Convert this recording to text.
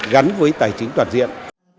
gắn với tài chính toàn diện